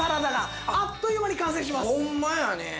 ホンマやね！